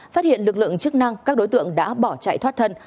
phát hiện lực lượng chức năng các đối tượng đã bỏ chạy thoát thân